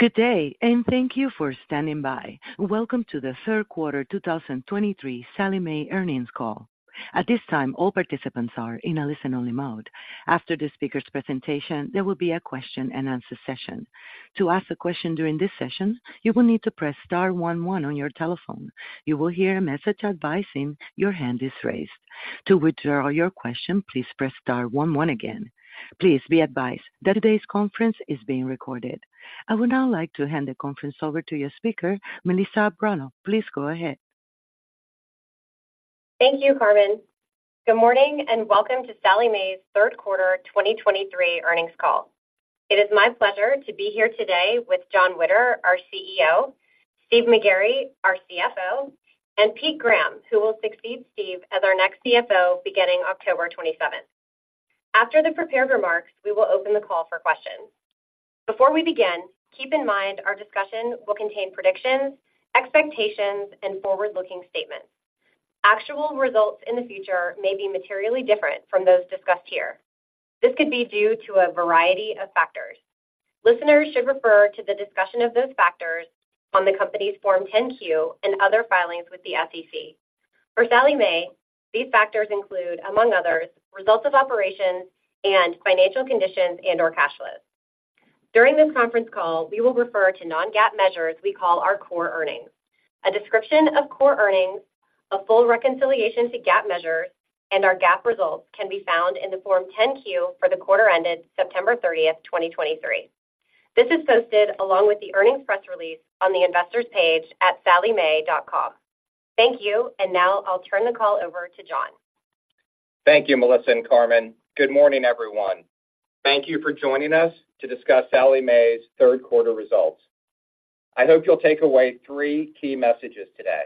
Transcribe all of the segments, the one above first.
Good day, and thank you for standing by. Welcome to the third quarter 2023 Sallie Mae Earnings Call. At this time, all participants are in a listen-only mode. After the speaker's presentation, there will be a question-and-answer session. To ask a question during this session, you will need to press star 1, 1 on your telephone. You will hear a message advising, "Your hand is raised." To withdraw your question, please press star 1, 1 again. Please be advised that today's conference is being recorded. I would now like to hand the conference over to your speaker, Melissa Bronaugh. Please go ahead. Thank you, Carmen. Good morning, and welcome to Sallie Mae's third quarter 2023 earnings call. It is my pleasure to be here today with Jon Witter, our CEO, Steve McGarry, our CFO, and Pete Graham, who will succeed Steve as our next CFO beginning October 27. After the prepared remarks, we will open the call for questions. Before we begin, keep in mind our discussion will contain predictions, expectations, and forward-looking statements. Actual results in the future may be materially different from those discussed here. This could be due to a variety of factors. Listeners should refer to the discussion of those factors on the company's Form 10-Q and other filings with the SEC. For Sallie Mae, these factors include, among others, results of operations and financial conditions and/or cash flows. During this conference call, we will refer to non-GAAP measures we call our core earnings. A description of core earnings, a full reconciliation to GAAP measures, and our GAAP results can be found in the Form 10-Q for the quarter ended September 30, 2023. This is posted along with the earnings press release on the investors page at salliemae.com. Thank you, and now I'll turn the call over to Jon. Thank you, Melissa and Carmen. Good morning, everyone. Thank you for joining us to discuss Sallie Mae's third quarter results. I hope you'll take away three key messages today.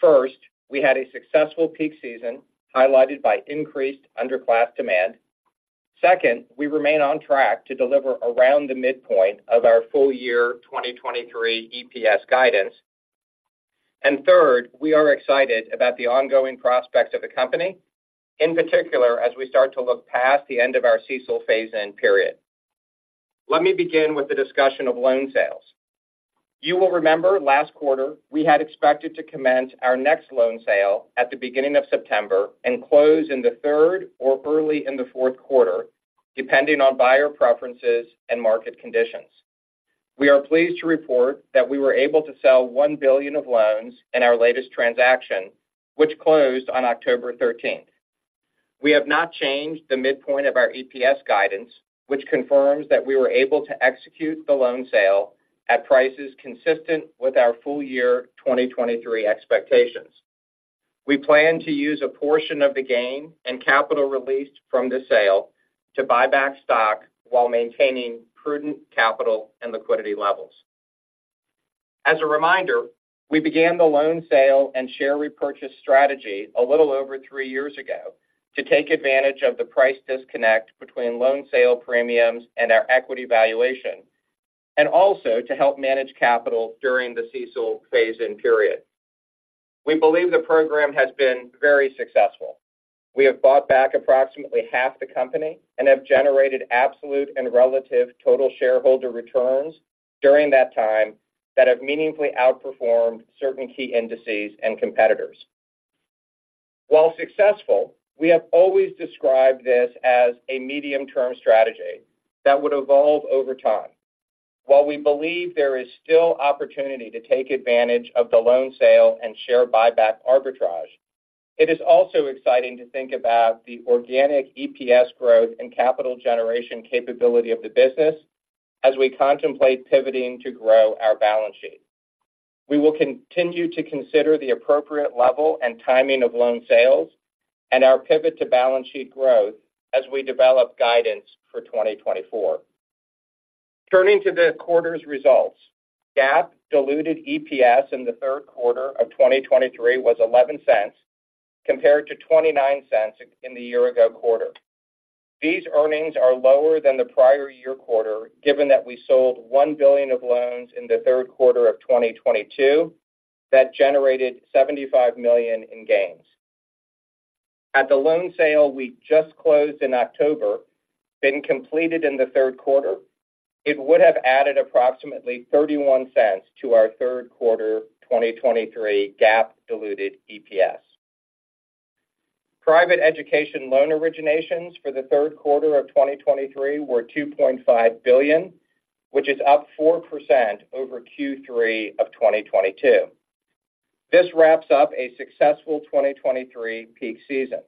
First, we had a successful peak season, highlighted by increased underclass demand. Second, we remain on track to deliver around the midpoint of our full year 2023 EPS guidance. And third, we are excited about the ongoing prospects of the company, in particular, as we start to look past the end of our CECL phase-in period. Let me begin with the discussion of loan sales. You will remember last quarter, we had expected to commence our next loan sale at the beginning of September and close in the third or early in the fourth quarter, depending on buyer preferences and market conditions. We are pleased to report that we were able to sell $1 billion of loans in our latest transaction, which closed on October 13. We have not changed the midpoint of our EPS guidance, which confirms that we were able to execute the loan sale at prices consistent with our full year 2023 expectations. We plan to use a portion of the gain and capital released from the sale to buy back stock while maintaining prudent capital and liquidity levels. As a reminder, we began the loan sale and share repurchase strategy a little over 3 years ago to take advantage of the price disconnect between loan sale premiums and our equity valuation, and also to help manage capital during the CECL phase-in period. We believe the program has been very successful. We have bought back approximately half the company and have generated absolute and relative total shareholder returns during that time that have meaningfully outperformed certain key indices and competitors. While successful, we have always described this as a medium-term strategy that would evolve over time. While we believe there is still opportunity to take advantage of the loan sale and share buyback arbitrage, it is also exciting to think about the organic EPS growth and capital generation capability of the business as we contemplate pivoting to grow our balance sheet. We will continue to consider the appropriate level and timing of loan sales and our pivot to balance sheet growth as we develop guidance for 2024. Turning to the quarter's results. GAAP diluted EPS in the third quarter of 2023 was $0.11, compared to $0.29 in the year ago quarter. These earnings are lower than the prior year quarter, given that we sold $1 billion of loans in the third quarter of 2022, that generated $75 million in gains. Had the loan sale we just closed in October been completed in the third quarter, it would have added approximately $0.31 to our third quarter 2023 GAAP diluted EPS. Private education loan originations for the third quarter of 2023 were $2.5 billion, which is up 4% over Q3 of 2022. This wraps up a successful 2023 peak season.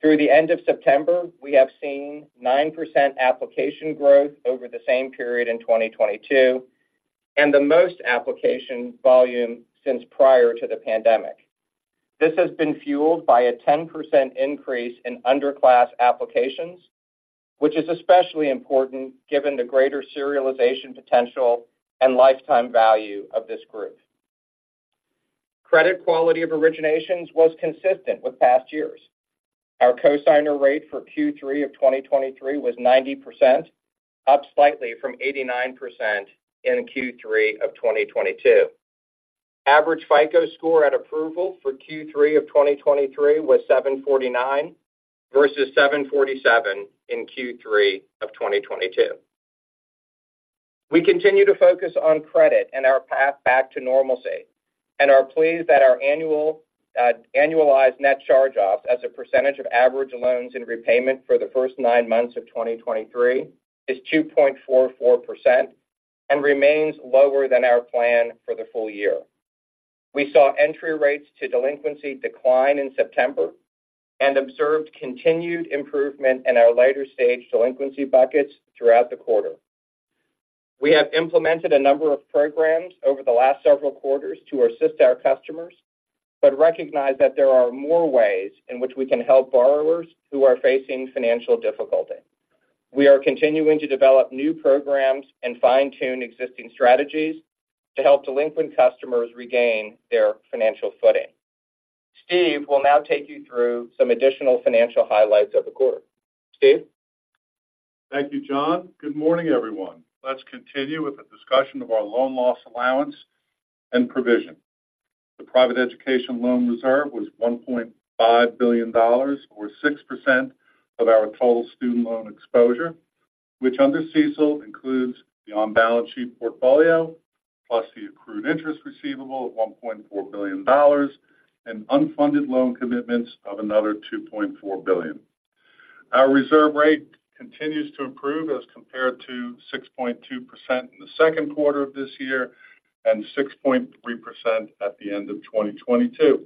Through the end of September, we have seen 9% application growth over the same period in 2022, and the most application volume since prior to the pandemic. This has been fueled by a 10% increase in underclass applications, which is especially important given the greater serialization potential and lifetime value of this group. Credit quality of originations was consistent with past years. Our cosigner rate for Q3 of 2023 was 90%, up slightly from 89% in Q3 of 2022. Average FICO Score at approval for Q3 of 2023 was 749, versus 747 in Q3 of 2022. We continue to focus on credit and our path back to normalcy, and are pleased that our annual, annualized net charge-offs as a percentage of average loans in repayment for the first nine months of 2023 is 2.44% and remains lower than our plan for the full year. We saw entry rates to delinquency decline in September and observed continued improvement in our later-stage delinquency buckets throughout the quarter. We have implemented a number of programs over the last several quarters to assist our customers, but recognize that there are more ways in which we can help borrowers who are facing financial difficulty. We are continuing to develop new programs and fine-tune existing strategies to help delinquent customers regain their financial footing. Steve will now take you through some additional financial highlights of the quarter. Steve? Thank you, Jon. Good morning, everyone. Let's continue with a discussion of our loan loss allowance and provision. The private education loan reserve was $1.5 billion, or 6% of our total student loan exposure, which under CECL, includes the on-balance sheet portfolio, plus the accrued interest receivable of $1.4 billion, and unfunded loan commitments of another $2.4 billion. Our reserve rate continues to improve as compared to 6.2% in the second quarter of this year and 6.3% at the end of 2022.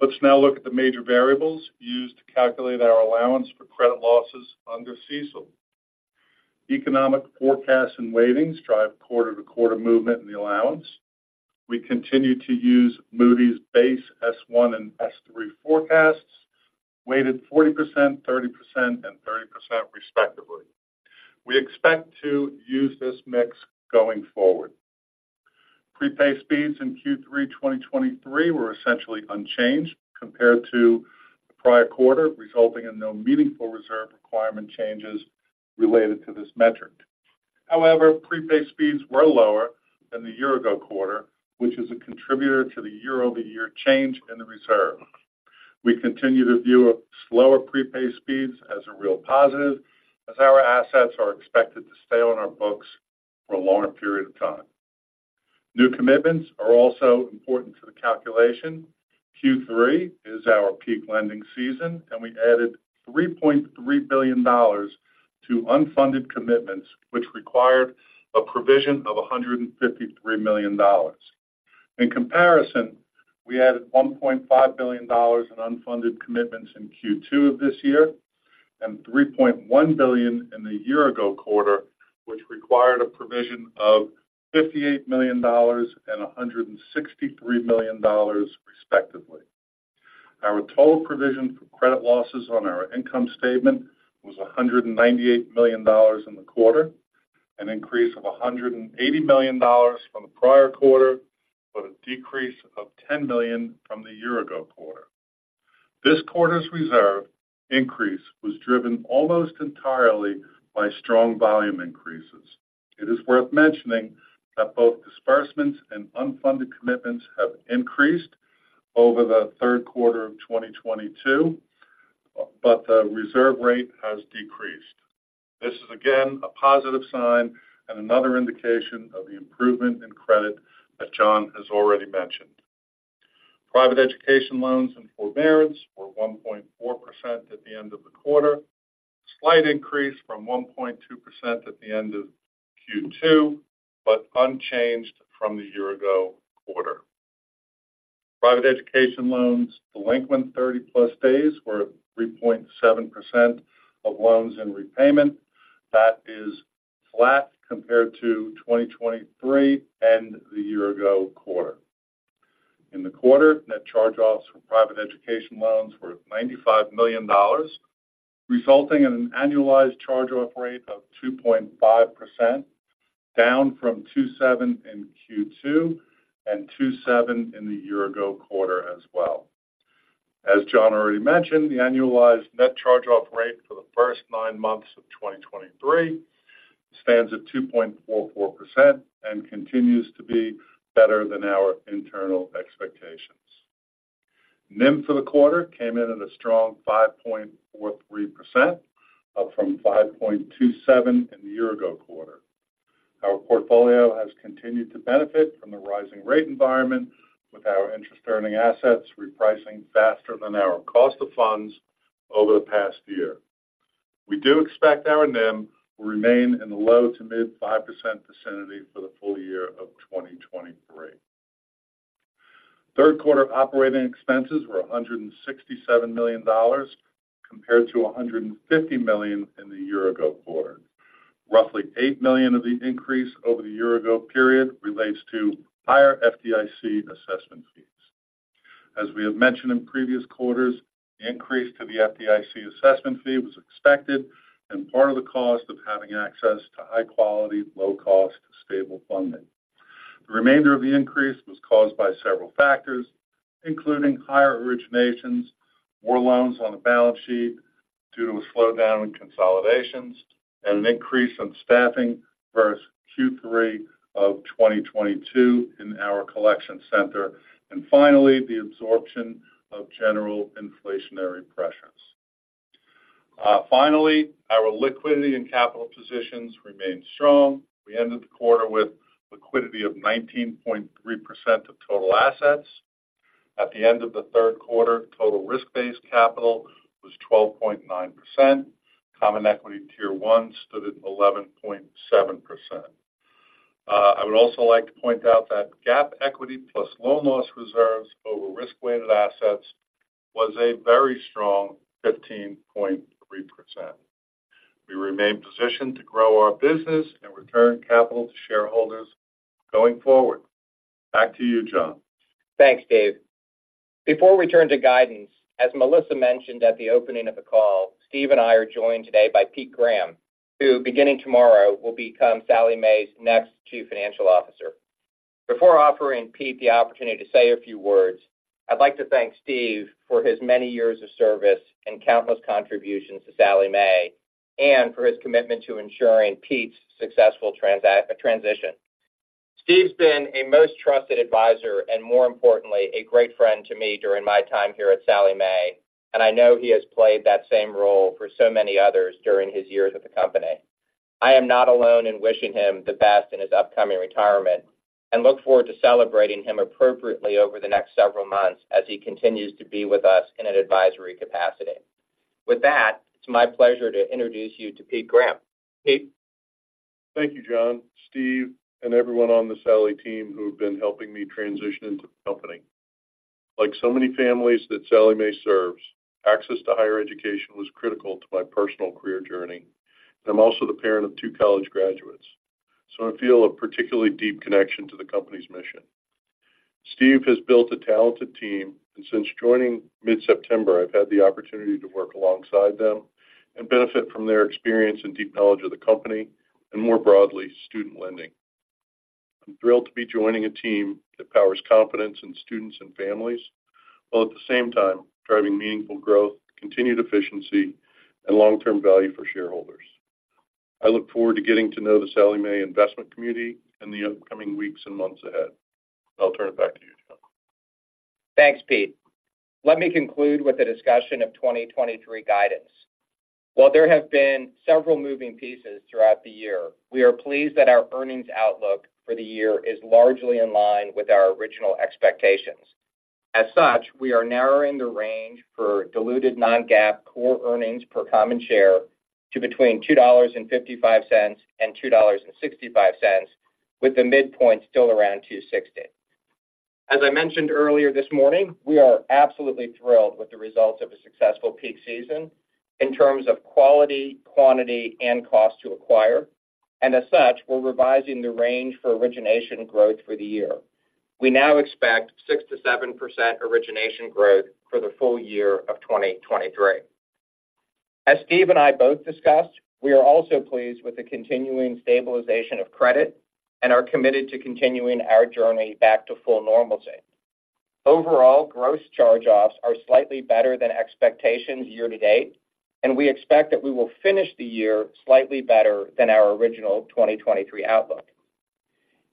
Let's now look at the major variables used to calculate our allowance for credit losses under CECL. Economic forecasts and weightings drive quarter-to-quarter movement in the allowance. We continue to use Moody's base S1 and S3 forecasts, weighted 40%, 30%, and 30%, respectively. We expect to use this mix going forward. Prepay speeds in Q3 2023 were essentially unchanged compared to the prior quarter, resulting in no meaningful reserve requirement changes related to this metric. However, prepay speeds were lower than the year-ago quarter, which is a contributor to the year-over-year change in the reserve. We continue to view a slower prepay speeds as a real positive, as our assets are expected to stay on our books for a longer period of time. New commitments are also important to the calculation. Q3 is our peak lending season, and we added $3.3 billion to unfunded commitments, which required a provision of $153 million. In comparison, we added $1.5 billion in unfunded commitments in Q2 of this year, and $3.1 billion in the year-ago quarter, which required a provision of $58 million and $163 million, respectively. Our total provision for credit losses on our income statement was $198 million in the quarter, an increase of $180 million from the prior quarter, but a decrease of $10 million from the year-ago quarter. This quarter's reserve increase was driven almost entirely by strong volume increases. It is worth mentioning that both disbursements and unfunded commitments have increased over the third quarter of 2022, but the reserve rate has decreased. This is again, a positive sign and another indication of the improvement in credit that Jon has already mentioned. Private education loans and forbearance were 1.4% at the end of the quarter, a slight increase from 1.2% at the end of Q2, but unchanged from the year-ago quarter. Private education loans delinquent 30+ days were 3.7% of loans in repayment. That is flat compared to 2023 and the year-ago quarter. In the quarter, net charge-offs for private education loans were $95 million, resulting in an annualized charge-off rate of 2.5%, down from 2.7% in Q2 and 2.7% in the year-ago quarter as well. As Jon already mentioned, the annualized net charge-off rate for the first nine months of 2023 stands at 2.44% and continues to be better than our internal expectations. NIM for the quarter came in at a strong 5.43%, up from 5.27 in the year-ago quarter. Our portfolio has continued to benefit from the rising rate environment, with our interest-earning assets repricing faster than our cost of funds over the past year. We do expect our NIM will remain in the low to mid-5% vicinity for the full year of 2023. Third quarter operating expenses were $167 million, compared to $150 million in the year-ago quarter. Roughly $8 million of the increase over the year-ago period relates to higher FDIC assessment fees. As we have mentioned in previous quarters, the increase to the FDIC assessment fee was expected and part of the cost of having access to high-quality, low-cost, stable funding. The remainder of the increase was caused by several factors, including higher originations, more loans on the balance sheet due to a slowdown in consolidations and an increase in staffing versus Q3 of 2022 in our collection center, and finally, the absorption of general inflationary pressures. Finally, our liquidity and capital positions remain strong. We ended the quarter with liquidity of 19.3% of total assets. At the end of the third quarter, total risk-based capital was 12.9%. Common Equity Tier 1 stood at 11.7%. I would also like to point out that GAAP equity plus loan loss reserves over risk-weighted assets was a very strong 15.3%. We remain positioned to grow our business and return capital to shareholders going forward. Back to you, Jon. Thanks, Steve. Before we turn to guidance, as Melissa mentioned at the opening of the call, Steve and I are joined today by Pete Graham, who, beginning tomorrow, will become Sallie Mae's next Chief Financial Officer. Before offering Pete the opportunity to say a few words, I'd like to thank Steve for his many years of service and countless contributions to Sallie Mae, and for his commitment to ensuring Pete's successful transition. Steve's been a most trusted advisor and more importantly, a great friend to me during my time here at Sallie Mae, and I know he has played that same role for so many others during his years at the company. I am not alone in wishing him the best in his upcoming retirement, and look forward to celebrating him appropriately over the next several months as he continues to be with us in an advisory capacity. With that, it's my pleasure to introduce you to Pete Graham. Pete? Thank you, Jonathan, Steve, and everyone on the Sallie team who've been helping me transition into the company. Like so many families that Sallie Mae serves, access to higher education was critical to my personal career journey. I'm also the parent of two college graduates, so I feel a particularly deep connection to the company's mission. Steve has built a talented team, and since joining mid-September, I've had the opportunity to work alongside them and benefit from their experience and deep knowledge of the company and more broadly, student lending. I'm thrilled to be joining a team that powers confidence in students and families, while at the same time driving meaningful growth, continued efficiency, and long-term value for shareholders. I look forward to getting to know the Sallie Mae investment community in the upcoming weeks and months ahead. I'll turn it back to you, Jonathan. Thanks, Pete. Let me conclude with a discussion of 2023 guidance. While there have been several moving pieces throughout the year, we are pleased that our earnings outlook for the year is largely in line with our original expectations. As such, we are narrowing the range for diluted non-GAAP core earnings per common share to between $2.55 and $2.65, with the midpoint still around $2.60. As I mentioned earlier this morning, we are absolutely thrilled with the results of a successful peak season in terms of quality, quantity, and cost to acquire, and as such, we're revising the range for origination growth for the year. We now expect 6%-7% origination growth for the full year of 2023. As Steve and I both discussed, we are also pleased with the continuing stabilization of credit and are committed to continuing our journey back to full normalcy. Overall, gross charge-offs are slightly better than expectations year to date, and we expect that we will finish the year slightly better than our original 2023 outlook.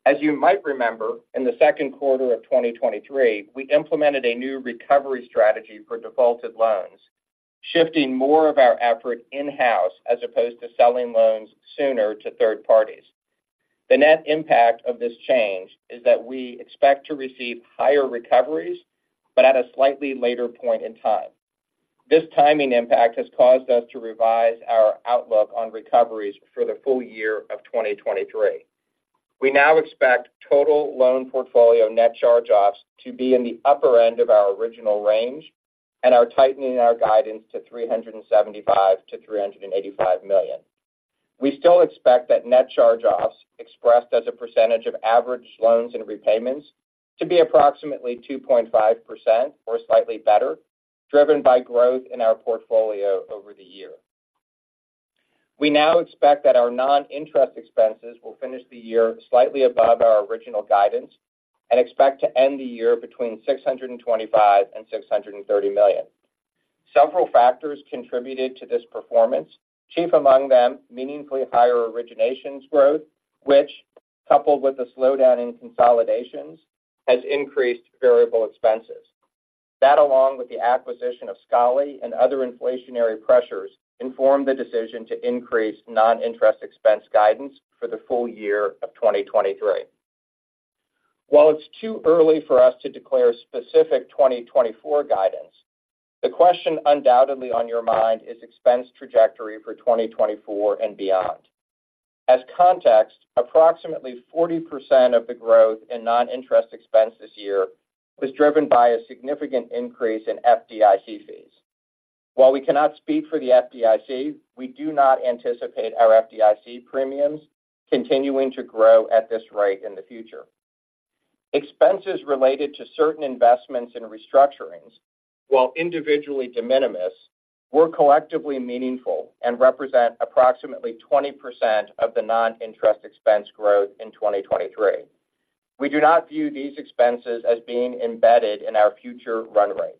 As you might remember, in the second quarter of 2023, we implemented a new recovery strategy for defaulted loans, shifting more of our effort in-house as opposed to selling loans sooner to third parties. The net impact of this change is that we expect to receive higher recoveries, but at a slightly later point in time. This timing impact has caused us to revise our outlook on recoveries for the full year of 2023. We now expect total loan portfolio net charge-offs to be in the upper end of our original range and are tightening our guidance to $375 million-$385 million. We still expect that net charge-offs, expressed as a percentage of average loans and repayments, to be approximately 2.5% or slightly better, driven by growth in our portfolio over the year. We now expect that our non-interest expenses will finish the year slightly above our original guidance and expect to end the year between $625 million-$630 million. Several factors contributed to this performance, chief among them, meaningfully higher originations growth, which, coupled with a slowdown in consolidations, has increased variable expenses. That, along with the acquisition of Scholly and other inflationary pressures, informed the decision to increase non-interest expense guidance for the full year of 2023. While it's too early for us to declare specific 2024 guidance, the question undoubtedly on your mind is expense trajectory for 2024 and beyond. As context, approximately 40% of the growth in non-interest expense this year was driven by a significant increase in FDIC fees. While we cannot speak for the FDIC, we do not anticipate our FDIC premiums continuing to grow at this rate in the future. Expenses related to certain investments in restructurings, while individually de minimis, were collectively meaningful and represent approximately 20% of the non-interest expense growth in 2023. We do not view these expenses as being embedded in our future run rate.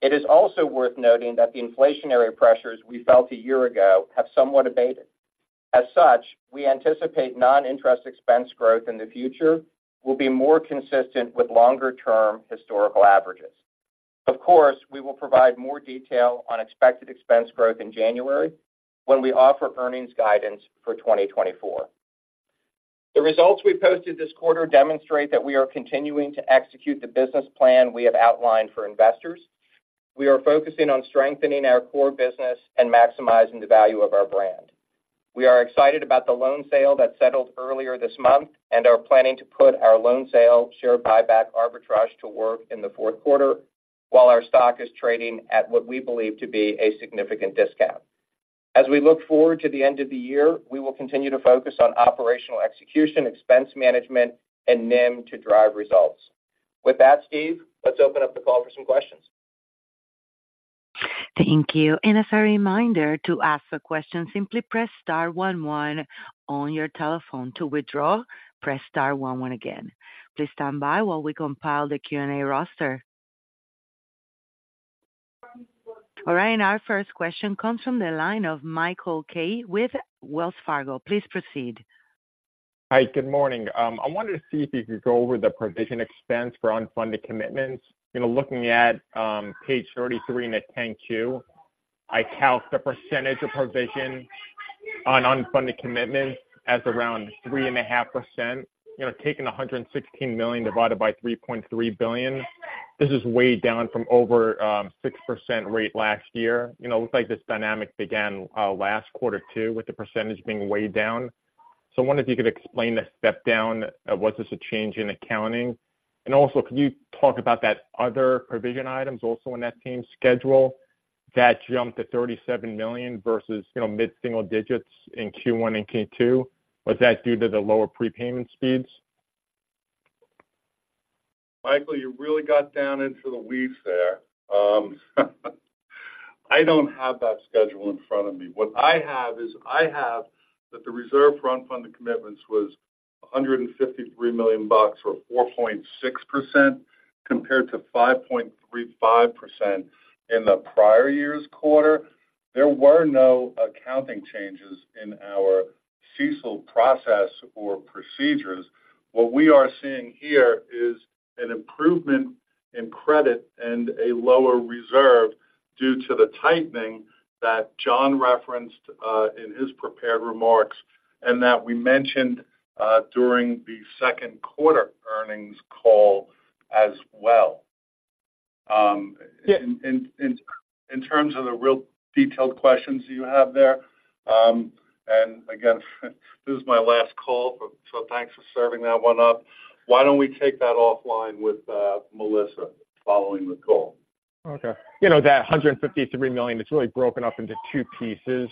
It is also worth noting that the inflationary pressures we felt a year ago have somewhat abated. As such, we anticipate non-interest expense growth in the future will be more consistent with longer-term historical averages. Of course, we will provide more detail on expected expense growth in January when we offer earnings guidance for 2024. The results we posted this quarter demonstrate that we are continuing to execute the business plan we have outlined for investors. We are focusing on strengthening our core business and maximizing the value of our brand. We are excited about the loan sale that settled earlier this month and are planning to put our loan sale share buyback arbitrage to work in the fourth quarter, while our stock is trading at what we believe to be a significant discount. As we look forward to the end of the year, we will continue to focus on operational execution, expense management, and NIM to drive results. With that, Steve, let's open up the call for some questions. Thank you. And as a reminder, to ask a question, simply press star 1, 1 on your telephone. To withdraw, press star 1, 1 again. Please stand by while we compile the Q&A roster. All right, and our first question comes from the line of Michael Kaye with Wells Fargo. Please proceed. Hi, good morning. I wanted to see if you could go over the provision expense for unfunded commitments. looking at page 33 in the 10-Q, I count the percentage of provision on unfunded commitments as around 3.5%. taking $116 million divided by $3.3 billion, this is way down from over 6% rate last year. looks like this dynamic began last quarter too, with the percentage being way down. So I wonder if you could explain the step down. Was this a change in accounting? And also, could you talk about that other provision items also in that same schedule that jumped to $37 million versus, mid-single digits in Q1 and Q2? Was that due to the lower prepayment speeds? Michael, you really got down into the weeds there. I don't have that schedule in front of me. What I have is, I have that the reserve for unfunded commitments was $153 million, or 4.6%, compared to 5.35% in the prior year's quarter. There were no accounting changes in our CECL process or procedures. What we are seeing here is an improvement in credit and a lower reserve due to the tightening that Jon referenced in his prepared remarks and that we mentioned during the second quarter earnings call as well. In terms of the real detailed questions you have there, and again, this is my last call, so thanks for serving that one up. Why don't we take that offline with Melissa, following the call? Okay. that $153 million is really broken up into two pieces.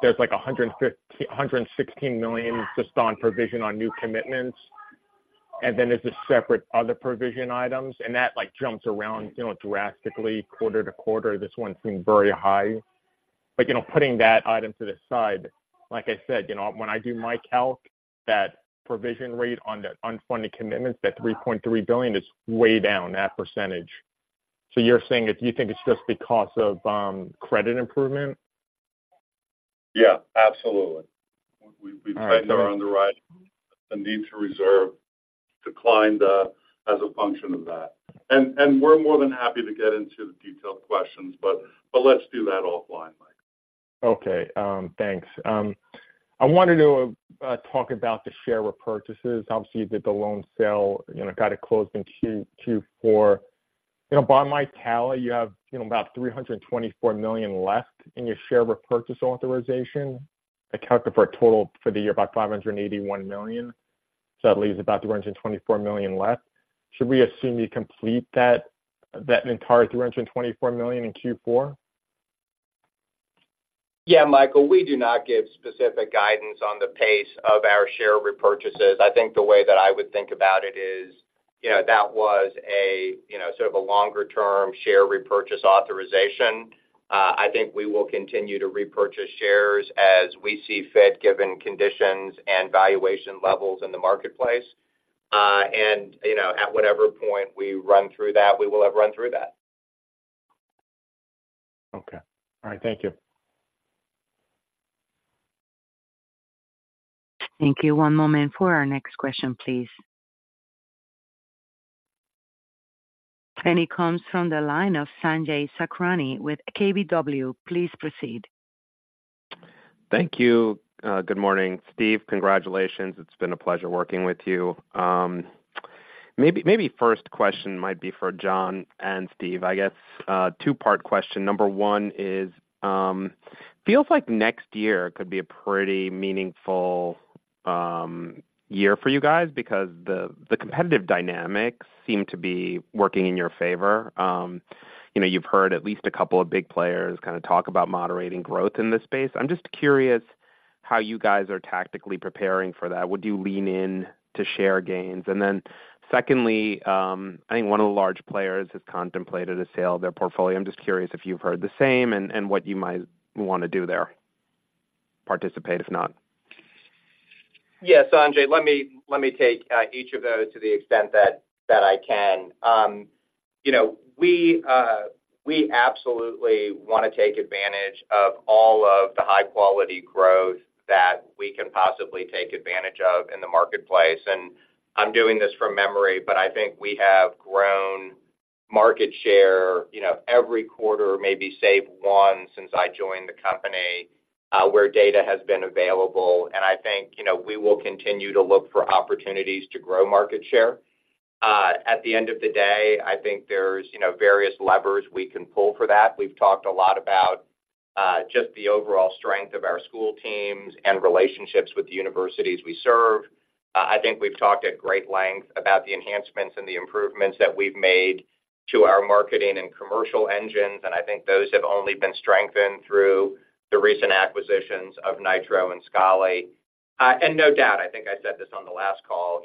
There's, like, a $150--$116 million just on provision on new commitments, and then there's a separate other provision items, and that like jumps around, drastically quarter to quarter. This one seemed very high. But, putting that item to the side, like I said, when I do my calc, that provision rate on the unfunded commitments, that $3.3 billion is way down, that percentage. So you're saying if you think it's just because of credit improvement? absolutely. We think our underwriting, the need to reserve, declined as a function of that. And we're more than happy to get into the detailed questions, but let's do that offline, Mike. Okay, thanks. I wanted to talk about the share repurchases. Obviously, you did the loan sale, got it closed in Q4. by my tally, you have about $324 million left in your share repurchase authorization. I calculate for a total for the year, about $581 million. So that leaves about $224 million left. Should we assume you complete that entire $224 million in Q4? Michael, we do not give specific guidance on the pace of our share repurchases. I think the way that I would think about it is, that was, sort of a longer-term share repurchase authorization. I think we will continue to repurchase shares as we see fit, given conditions and valuation levels in the marketplace. At whatever point we run through that, we will have run through that. Okay. All right. Thank you. Thank you. One moment for our next question, please. It comes from the line of Sanjay Sakhrani with KBW. Please proceed. Thank you. Good morning, Steve. Congratulations. It's been a pleasure working with you. Maybe, maybe first question might be for Jon and Steve, I guess. Two-part question. Number one is, feels like next year could be a pretty meaningful year for you guys because the competitive dynamics seem to be working in your favor. you've heard at least a couple of big players kind of talk about moderating growth in this space. I'm just curious how you guys are tactically preparing for that. Would you lean in to share gains? And then secondly, I think one of the large players has contemplated a sale of their portfolio. I'm just curious if you've heard the same and what you might want to do there.... participate, if not? Yes, Sanjay, let me take each of those to the extent that I can. we absolutely wanna take advantage of all of the high-quality growth that we can possibly take advantage of in the marketplace. And I'm doing this from memory, but I think we have grown market share, every quarter, maybe save one, since I joined the company, where data has been available. And I think, we will continue to look for opportunities to grow market share. At the end of the day, I think there's, various levers we can pull for that. We've talked a lot about just the overall strength of our school teams and relationships with the universities we serve. I think we've talked at great length about the enhancements and the improvements that we've made to our marketing and commercial engines, and I think those have only been strengthened through the recent acquisitions of Nitro and Scholly. And no doubt, I think I said this on the last call,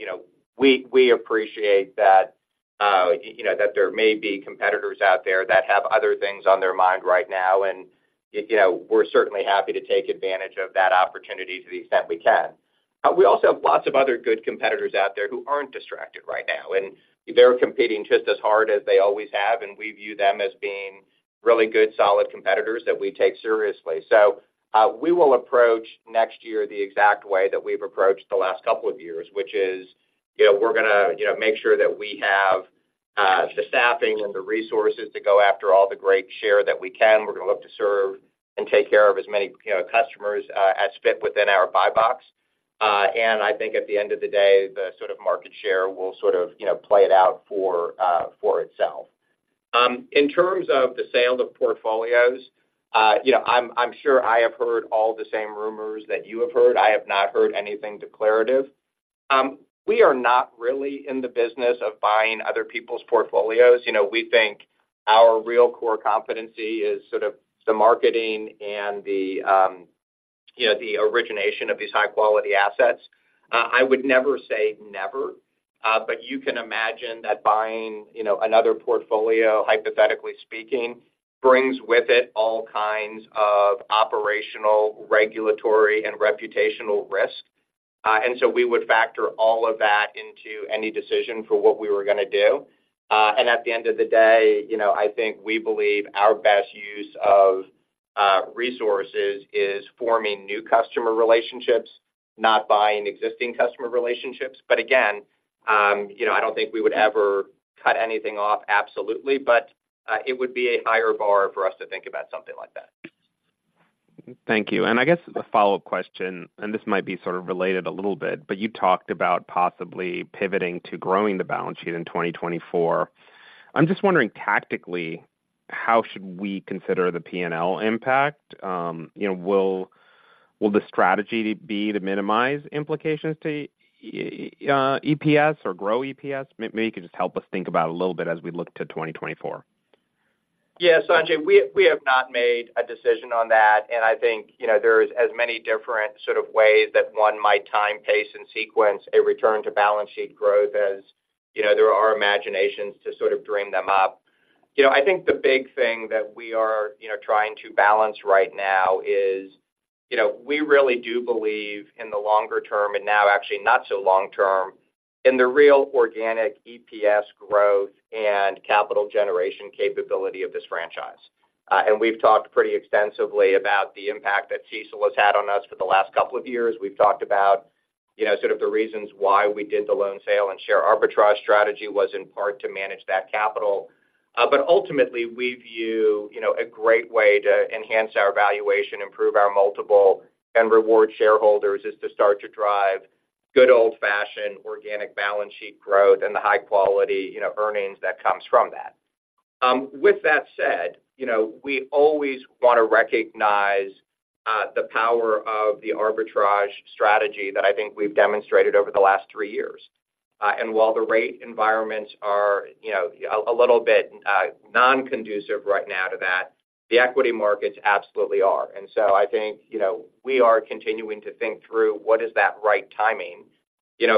we appreciate that, that there may be competitors out there that have other things on their mind right now, and we're certainly happy to take advantage of that opportunity to the extent we can. We also have lots of other good competitors out there who aren't distracted right now, and they're competing just as hard as they always have, and we view them as being really good, solid competitors that we take seriously. We will approach next year the exact way that we've approached the last couple of years, which is, we're gonna, make sure that we have the staffing and the resources to go after all the great share that we can. We're gonna look to serve and take care of as many, customers, as fit within our buy box. And I think at the end of the day, the sort of market share will sort of, play it out for, for itself. In terms of the sale of portfolios, I'm, I'm sure I have heard all the same rumors that you have heard. I have not heard anything declarative. We are not really in the business of buying other people's portfolios. we think our real core competency is sort of the marketing and the, the origination of these high-quality assets. I would never say never, but you can imagine that buying, another portfolio, hypothetically speaking, brings with it all kinds of operational, regulatory, and reputational risk. And so we would factor all of that into any decision for what we were gonna do. And at the end of the day, I think we believe our best use of resources is forming new customer relationships, not buying existing customer relationships. But again, I don't think we would ever cut anything off absolutely, but it would be a higher bar for us to think about something like that. Thank you. I guess a follow-up question, and this might be sort of related a little bit, but you talked about possibly pivoting to growing the balance sheet in 2024. I'm just wondering tactically, how should we consider the P&L impact? will the strategy be to minimize implications to EPS or grow EPS? Maybe you could just help us think about a little bit as we look to 2024. Sanjay, we have not made a decision on that, and I think, there's as many different sort of ways that one might time, pace, and sequence a return to balance sheet growth, as there are imaginations to sort of dream them up. I think the big thing that we are, trying to balance right now is, we really do believe in the longer term, and now actually not so long term, in the real organic EPS growth and capital generation capability of this franchise. And we've talked pretty extensively about the impact that CECL has had on us for the last couple of years. We've talked about, sort of the reasons why we did the loan sale and share arbitrage strategy was in part to manage that capital. But ultimately, we view, a great way to enhance our valuation, improve our multiple, and reward shareholders is to start to drive good old-fashioned organic balance sheet growth and the high quality, earnings that comes from that. With that said, we always want to recognize, the power of the arbitrage strategy that I think we've demonstrated over the last three years. And while the rate environments are, a little bit, non-conducive right now to that, the equity markets absolutely are. And so I think, we are continuing to think through what is that right timing,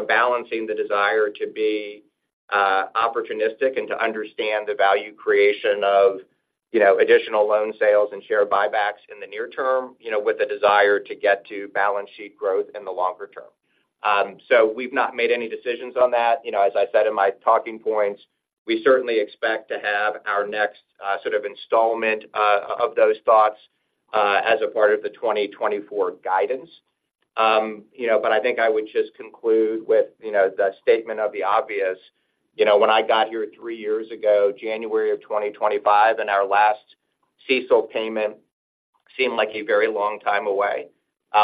balancing the desire to be opportunistic and to understand the value creation of, additional loan sales and share buybacks in the near term, with the desire to get to balance sheet growth in the longer term. So we've not made any decisions on that. as I said in my talking points, we certainly expect to have our next sort of installment of those thoughts as a part of the 2024 guidance. But I think I would just conclude with, the statement of the obvious. when I got here 3 years ago, January of 2025, and our last CECL payment seemed like a very long time away.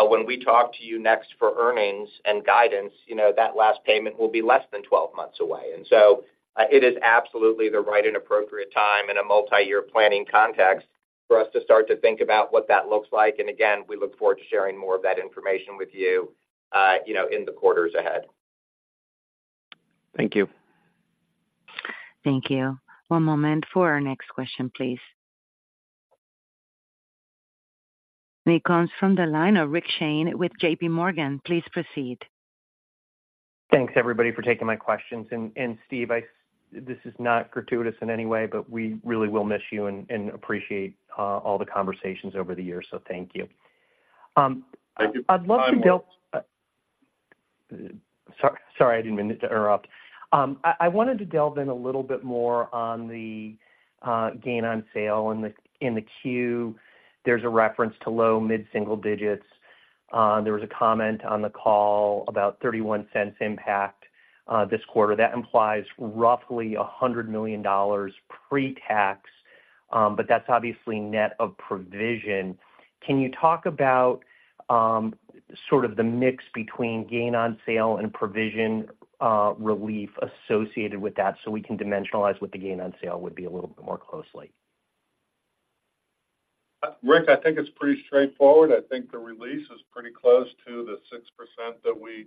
When we talk to you next for earnings and guidance, that last payment will be less than 12 months away. And so, it is absolutely the right and appropriate time in a multi-year planning context for us to start to think about what that looks like. And again, we look forward to sharing more of that information with you, in the quarters ahead. Thank you. Thank you. One moment for our next question, please. It comes from the line of Richard Shane with JP Morgan. Please proceed. Thanks, everybody, for taking my questions. Steve, I this is not gratuitous in any way, but we really will miss you and appreciate all the conversations over the years. So thank you. Thank you. I'd love to delve. Sorry, I didn't mean to interrupt. I wanted to delve in a little bit more on the gain on sale. In the, in the Q, there's a reference to low mid-single digits. There was a comment on the call about 31 cents impact this quarter. That implies roughly $100 million pre-tax, but that's obviously net of provision. Can you talk about sort of the mix between gain on sale and provision relief associated with that, so we can dimensionalize what the gain on sale would be a little bit more closely? Rick, I think it's pretty straightforward. I think the release is pretty close to the 6% that we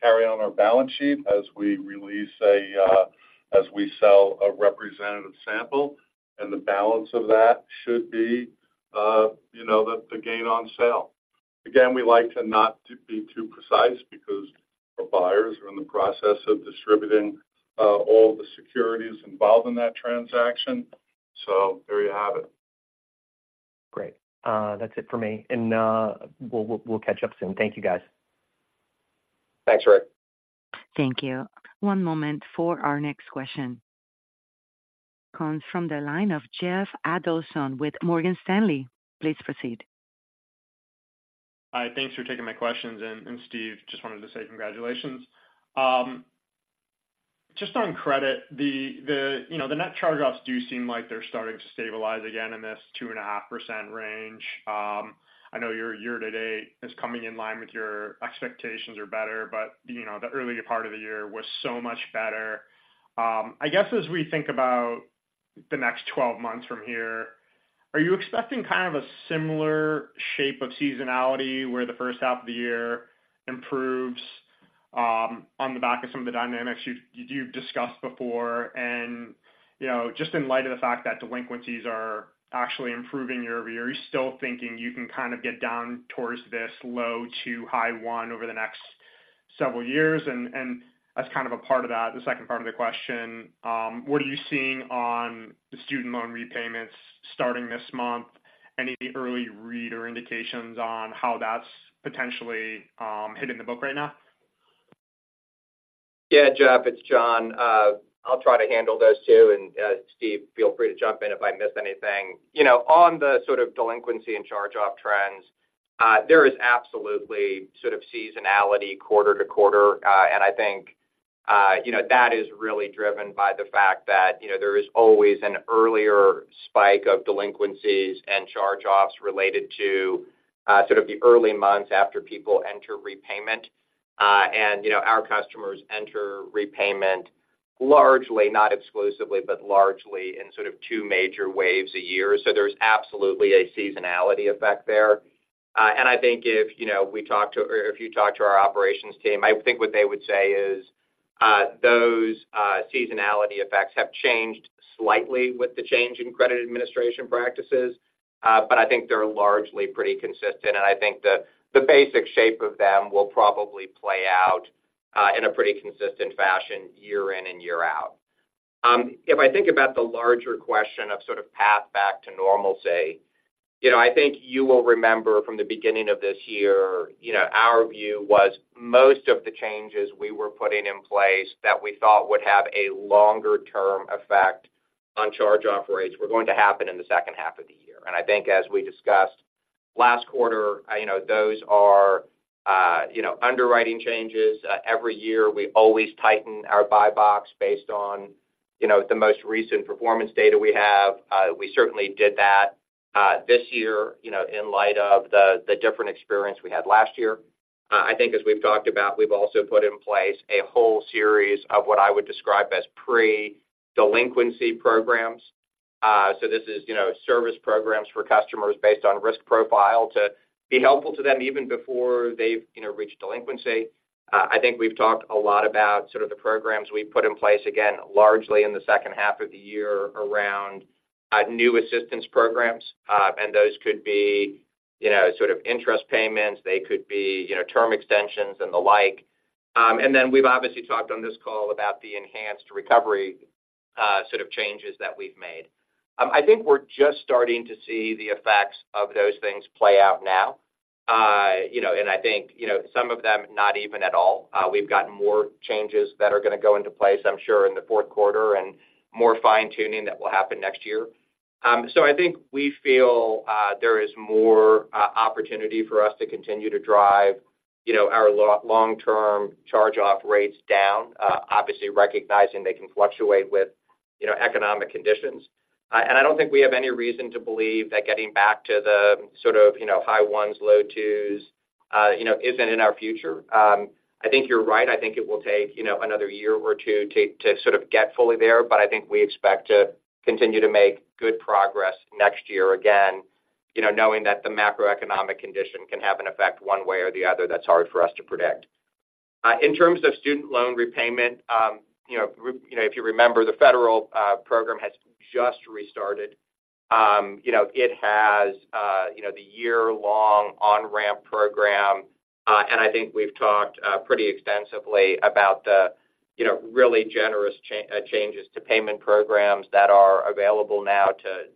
carry on our balance sheet as we release a, as we sell a representative sample, and the balance of that should be, the, the gain on sale. Again, we like to not to be too precise because our buyers are in the process of distributing, all the securities involved in that transaction. So there you have it. Great. That's it for me, and we'll, we'll catch up soon. Thank you, guys. Thanks, Rick. Thank you. One moment for our next question. Comes from the line of Jeffrey Adelson with Morgan Stanley. Please proceed. Hi, thanks for taking my questions, and Steve, just wanted to say congratulations. Just on credit, the net charge-offs do seem like they're starting to stabilize again in this 2.5% range. I know your year-to-date is coming in line with your expectations or better, but, the earlier part of the year was so much better. I guess, as we think about the next 12 months from here, are you expecting kind of a similar shape of seasonality, where the first half of the year improves, on the back of some of the dynamics you've discussed before? Just in light of the fact that delinquencies are actually improving year-over-year, are you still thinking you can kind of get down towards this low-to-high 1% over the next several years? As kind of a part of that, the second part of the question, what are you seeing on the student loan repayments starting this month? Any early read or indications on how that's potentially hitting the book right now? Jeff, it's Jon. I'll try to handle those, too, and, Steve, feel free to jump in if I miss anything. on the sort of delinquency and charge-off trends, there is absolutely sort of seasonality quarter to quarter. And I think, that is really driven by the fact that, there is always an earlier spike of delinquencies and charge-offs related to, sort of the early months after people enter repayment. Our customers enter repayment largely, not exclusively, but largely in sort of two major waves a year. So there's absolutely a seasonality effect there. And I think if, we talk to, or if you talk to our operations team, I think what they would say is, those seasonality effects have changed slightly with the change in credit administration practices. But I think they're largely pretty consistent, and I think the basic shape of them will probably play out in a pretty consistent fashion year in and year out. If I think about the larger question of sort of path back to normal, say, I think you will remember from the beginning of this year, our view was most of the changes we were putting in place that we thought would have a longer-term effect on charge-off rates were going to happen in the second half of the year. And I think as we discussed last quarter, those are, underwriting changes. Every year, we always tighten our buy box based on, the most recent performance data we have. We certainly did that this year, in light of the different experience we had last year. I think as we've talked about, we've also put in place a whole series of what I would describe as pre-delinquency programs. So this is, service programs for customers based on risk profile to be helpful to them even before they've, reached delinquency. I think we've talked a lot about sort of the programs we've put in place, again, largely in the second half of the year, around new assistance programs. Those could be, sort of interest payments. They could be, term extensions and the like. And then we've obviously talked on this call about the enhanced recovery sort of changes that we've made. I think we're just starting to see the effects of those things play out now. and I think, some of them, not even at all. We've gotten more changes that are going to go into place, I'm sure, in the 4th quarter and more fine-tuning that will happen next year. So I think we feel there is more opportunity for us to continue to drive, our long-term charge-off rates down, obviously recognizing they can fluctuate with, economic conditions. And I don't think we have any reason to believe that getting back to the sort of, high ones, low twos, isn't in our future. I think you're right. I think it will take, another year or two to sort of get fully there, but I think we expect to continue to make good progress next year again, knowing that the macroeconomic condition can have an effect one way or the other, that's hard for us to predict. In terms of student loan repayment, if you remember, the federal program has just restarted. it has the year-long on-ramp program. I think we've talked pretty extensively about the, really generous changes to payment programs that are available now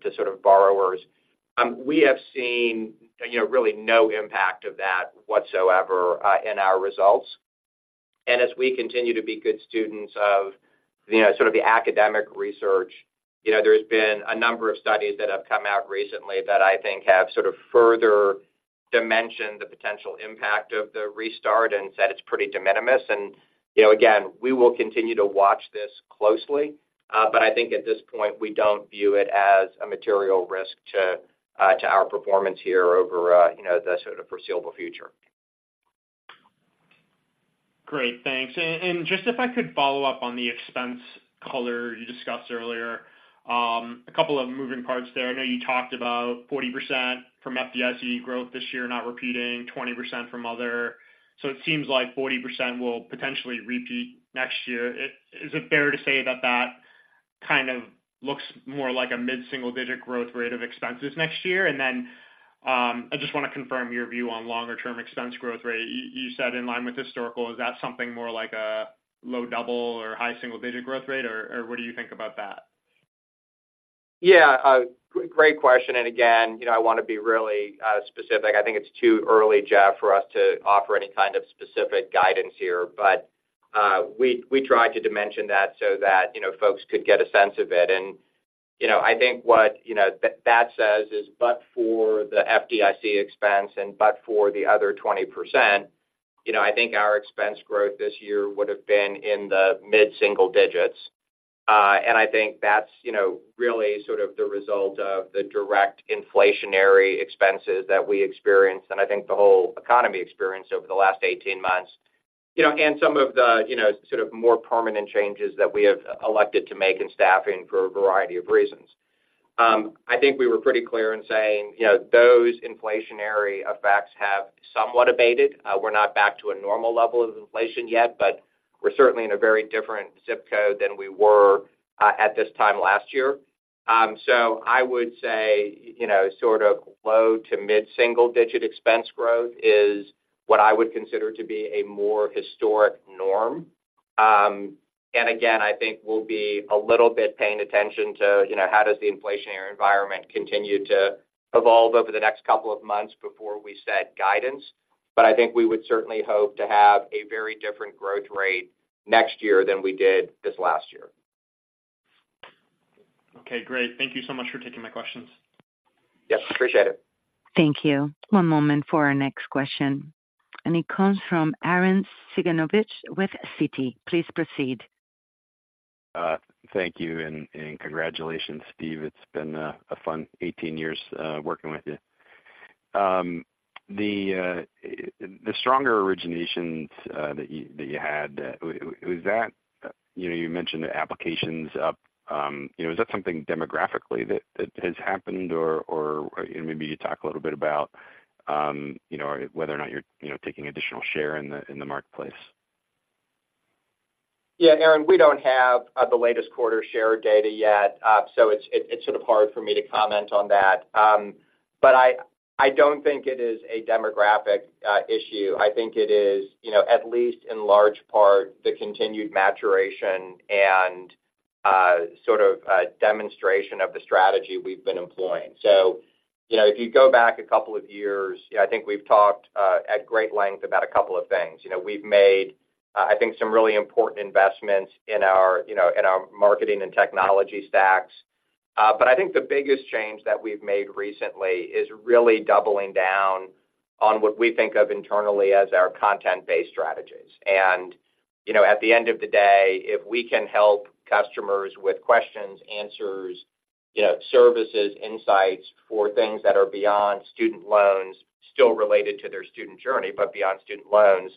to sort of borrowers. We have seen, really no impact of that whatsoever in our results. As we continue to be good students of, sort of the academic research, there's been a number of studies that have come out recently that I think have sort of further dimensioned the potential impact of the restart and said it's pretty de minimis. again, we will continue to watch this closely, but I think at this point, we don't view it as a material risk to our performance here over, the sort of foreseeable future. Great, thanks. And just if I could follow up on the expense color you discussed earlier. A couple of moving parts there. I know you talked about 40% from FDIC growth this year, not repeating 20% from other. So it seems like 40% will potentially repeat next year. Is it fair to say that that kind of looks more like a mid-single-digit growth rate of expenses next year? And then, I just want to confirm your view on longer-term expense growth rate. You said in line with historical, is that something more like a low double-digit or high single-digit growth rate, or what do you think about that? A great question, and again, I want to be really specific. I think it's too early, Jeff, for us to offer any kind of specific guidance here. But we tried to dimension that so that, folks could get a sense of it. I think what that says is, but for the FDIC expense and but for the other 20%, I think our expense growth this year would have been in the mid-single digits. And I think that's, really sort of the result of the direct inflationary expenses that we experienced, and I think the whole economy experienced over the last 18 months. and some of the, sort of more permanent changes that we have elected to make in staffing for a variety of reasons. I think we were pretty clear in saying, those inflationary effects have somewhat abated. We're not back to a normal level of inflation yet, but we're certainly in a very different zip code than we were, at this time last year. So I would say, sort of low- to mid-single-digit expense growth is what I would consider to be a more historic norm. And again, I think we'll be a little bit paying attention to, how does the inflationary environment continue to evolve over the next couple of months before we set guidance. But I think we would certainly hope to have a very different growth rate next year than we did this last year. Okay, great. Thank you so much for taking my questions. Yes, appreciate it. Thank you. One moment for our next question, and it comes from Arren Cyganovich with Citi. Please proceed. Thank you and, and congratulations, Steve. It's been a fun 18 years working with you. The stronger originations that you had was that you mentioned the applications up. is that something demographically that has happened? Or maybe you talk a little bit about you know whether or not you're you know taking additional share in the marketplace? Aaron, we don't have the latest quarter share data yet. So it's sort of hard for me to comment on that. But I don't think it is a demographic issue. I think it is, at least in large part, the continued maturation and sort of a demonstration of the strategy we've been employing. if you go back a couple of years, I think we've talked at great length about a couple of things. we've made, I think, some really important investments in our, in our marketing and technology stacks. But I think the biggest change that we've made recently is really doubling down on what we think of internally as our content-based strategies. at the end of the day, if we can help customers with questions, answers, services, insights for things that are beyond student loans, still related to their student journey, but beyond student loans,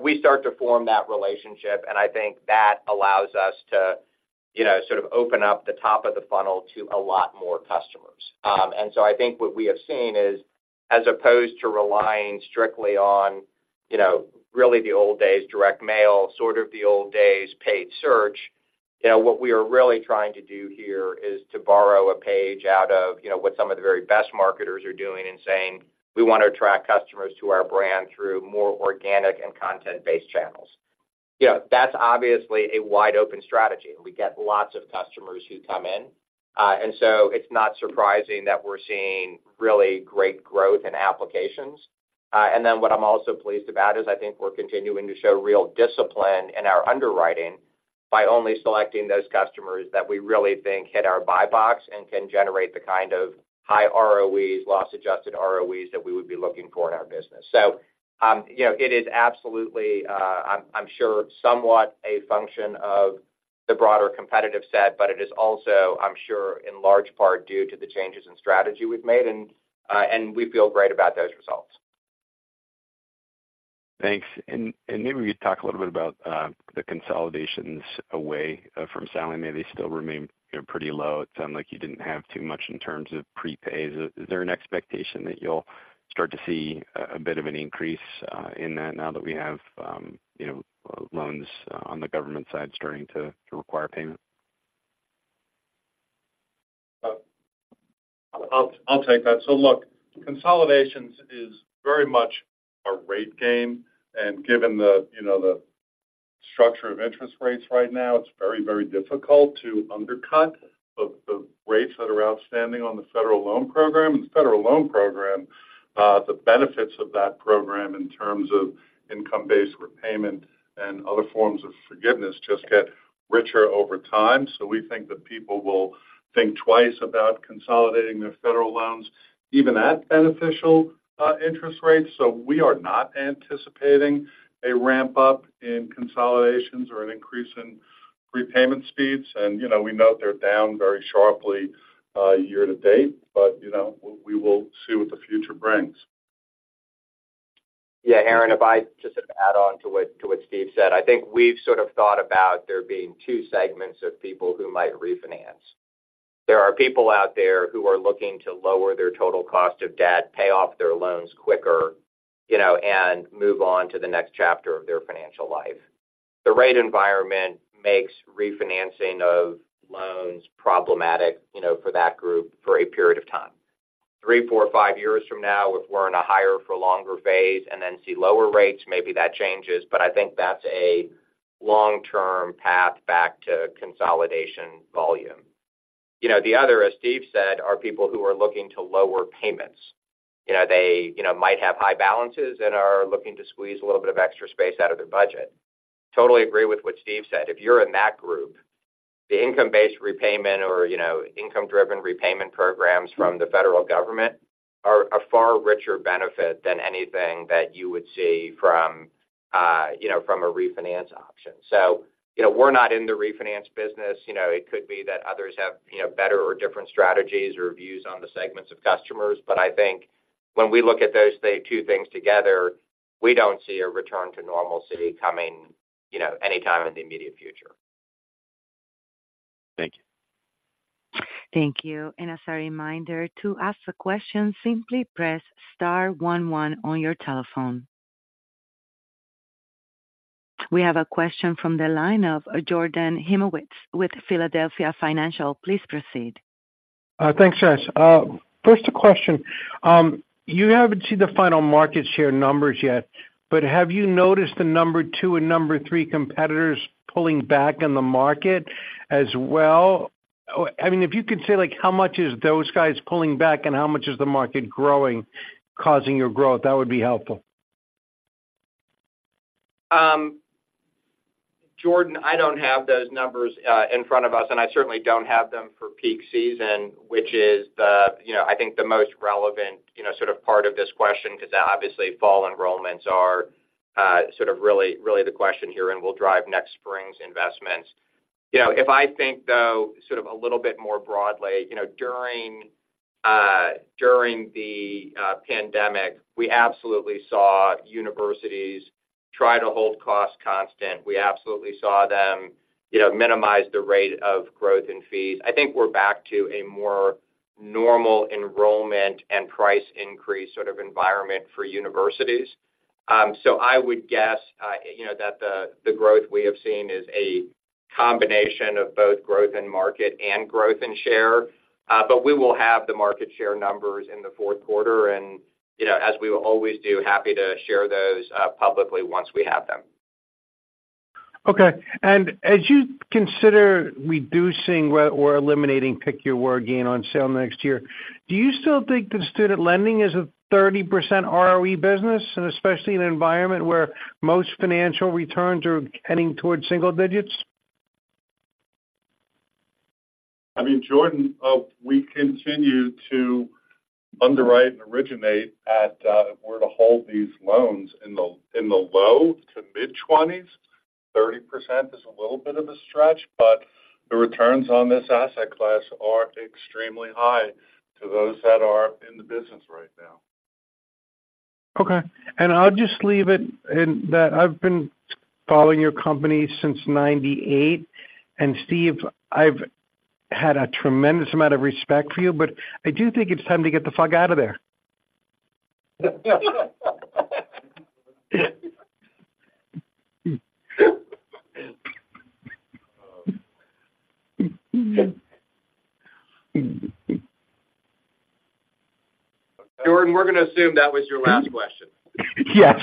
we start to form that relationship, and I think that allows us to, sort of open up the top of the funnel to a lot more customers. And so I think what we have seen is, as opposed to relying strictly on, really the old days, direct mail, sort of the old days, paid search. what we are really trying to do here is to borrow a page out of, what some of the very best marketers are doing and saying: We want to attract customers to our brand through more organic and content-based channels. that's obviously a wide open strategy, and we get lots of customers who come in. So it's not surprising that we're seeing really great growth in applications. And then what I'm also pleased about is I think we're continuing to show real discipline in our underwriting by only selecting those customers that we really think hit our buy box and can generate the kind of high ROEs, loss-adjusted ROEs that we would be looking for in our business. it is absolutely, I'm sure somewhat a function of the broader competitive set, but it is also, I'm sure, in large part, due to the changes in strategy we've made, and we feel great about those results. Thanks. And maybe you could talk a little bit about the consolidations away from Sallie Mae. They still remain, pretty low. It sounded like you didn't have too much in terms of prepays. Is there an expectation that you'll start to see a bit of an increase in that now that we have, loans on the government side starting to require payment? I'll take that. So look, consolidations is very much a rate game, and given the, the structure of interest rates right now, it's very, very difficult to undercut the rates that are outstanding on the federal loan program. And the federal loan program, the benefits of that program in terms of income-based repayment and other forms of forgiveness just get richer over time. So we think that people will think twice about consolidating their federal loans, even at beneficial interest rates. So we are not anticipating a ramp-up in consolidations or an increase in prepayment speeds. And, we note they're down very sharply year to date, but, we will see what the future brings. Aaron, if I just add on to what, to what Steve said. I think we've sort of thought about there being two segments of people who might refinance. There are people out there who are looking to lower their total cost of debt, pay off their loans quicker, and move on to the next chapter of their financial life. The rate environment makes refinancing of loans problematic, for that group for a period of time. 3, 4, 5 years from now, if we're in a higher for longer phase and then see lower rates, maybe that changes, but I think that's a long-term path back to consolidation volume. the other, as Steve said, are people who are looking to lower payments. they, might have high balances and are looking to squeeze a little bit of extra space out of their budget. Totally agree with what Steve said. If you're in that group, the income-based repayment or, income-driven repayment programs from the federal government are a far richer benefit than anything that you would see from, from a refinance option. we're not in the refinance business. it could be that others have, better or different strategies or views on the segments of customers. But I think when we look at those two things together, we don't see a return to normalcy coming, anytime in the immediate future. Thank you. Thank you. As a reminder, to ask a question, simply press star 1, 1 on your telephone. We have a question from the line of Jordan Hymowitz with Philadelphia Financial. Please proceed. Thanks, guys. First, a question. You haven't seen the final market share numbers yet, but have you noticed the number two and number three competitors pulling back in the market as well? I mean, if you could say, like, how much is those guys pulling back and how much is the market growing, causing your growth, that would be helpful. Jordan, I don't have those numbers in front of us, and I certainly don't have them for peak season, which is the, I think the most relevant, sort of part of this question, because obviously, fall enrollments are sort of really, really the question here and will drive next spring's investments. if I think, though, sort of a little bit more broadly, during the pandemic, we absolutely saw universities try to hold costs constant. We absolutely saw them, minimize the rate of growth in fees. I think we're back to a more normal enrollment and price increase sort of environment for universities. So I would guess, that the growth we have seen is a combination of both growth in market and growth in share. But we will have the market share numbers in the fourth quarter, and, as we always do, happy to share those, publicly once we have them. Okay. And as you consider reducing or eliminating, pick your word, gain on sale next year, do you still think that student lending is a 30% ROE business, and especially in an environment where most financial returns are heading towards single digits? I mean, Jordan, we continue to underwrite and originate at, if we're to hold these loans in the low-to-mid-20s, 30% is a little bit of a stretch, but the returns on this asset class are extremely high to those that are in the business right now. Jordan, we're going to assume that was your last question. Yes.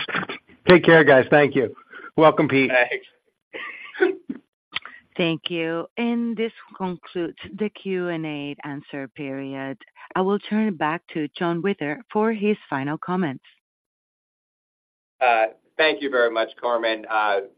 Take care, guys. Thank you. Welcome, Pete. Thanks. Thank you. This concludes the Q&A answer period. I will turn it back to Jonathan Witter for his final comments. Thank you very much, Carmen.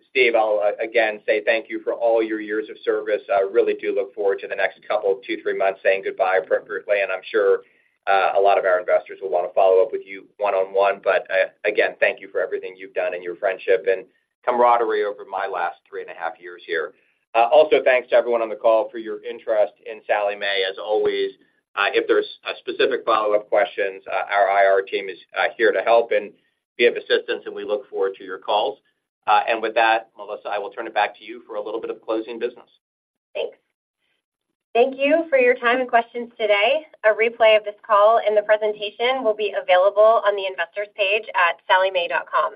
Steve, I'll again say thank you for all your years of service. I really do look forward to the next couple of 2, 3 months saying goodbye appropriately, and I'm sure a lot of our investors will want to follow up with you one-on-one. But again, thank you for everything you've done and your friendship and camaraderie over my last three and a half years here. Also, thanks to everyone on the call for your interest in Sallie Mae. As always, if there's specific follow-up questions, our IR team is here to help, and we have assistance, and we look forward to your calls. And with that, Melissa, I will turn it back to you for a little bit of closing business. Thanks. Thank you for your time and questions today. A replay of this call and the presentation will be available on the investors page at SallieMae.com.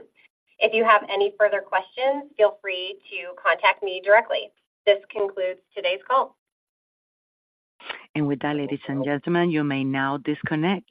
If you have any further questions, feel free to contact me directly. This concludes today's call. With that, ladies and gentlemen, you may now disconnect.